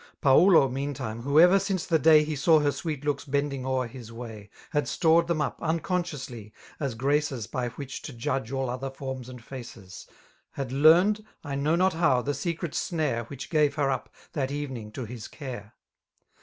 Paulo, meantime, who ever since the day He saw her sweet looks bending o'er ha way. Had stored them up, unconsciously, as graces By which to judge all other forms and faces. Had leamty I know not how, the secret snare. Which gave her up, that evening, to his care.